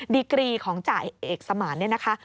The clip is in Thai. ดีกรีของจ่ายเอกสมานเนี่ยนะคะ